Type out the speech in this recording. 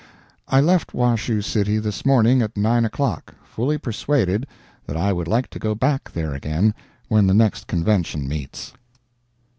I left Washoe City this morning at nine o'clock, fully persuaded that I would like to go back there again when the next convention meets.